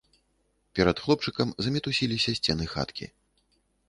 Перад хлопчыкам замітусіліся сцены хаткі.